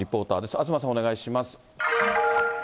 東さん、お願いします。